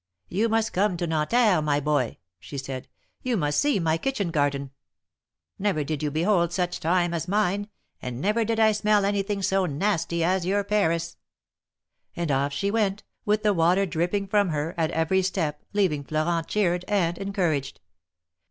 " You must come to Nanterre, my boy," she said, '^You must see my kitchen garden. Never did you behold such thyme as mine, and never did I smell any thing so nasty as your Paris !" And off she went, with the water dripping from her, at every step, leaving Florent cheered and encouraged.